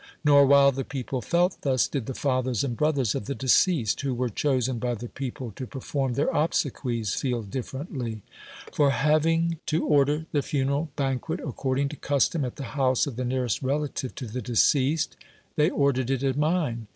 Nor, while the people felt thus, did the fathers and brothers of the deceased, who were chosen by the people to per form their obsequies, feel dilferently. For hav 178 DEMOSTHENES ing to order the funeral banquet (according to custom) at the house oi" the nearest relative to the deceased, they ordered it at mine.